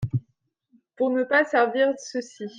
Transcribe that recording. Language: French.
Pour ne pas servir ceux-ci.